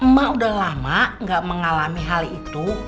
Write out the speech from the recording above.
emak udah lama gak mengalami hal itu